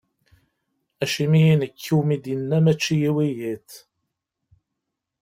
Acimi i nekk umi d-inna mačči i wiyiḍ?